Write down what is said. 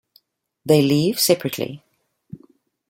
They leave separately.